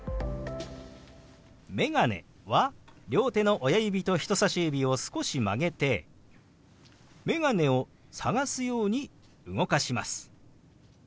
「メガネ」は両手の親指と人さし指を少し曲げてメガネを探すように動かします。